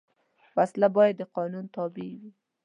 وسله باید د قانون تابع وي